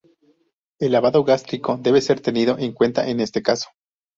El lavado gástrico debe ser tenido en cuenta en este caso.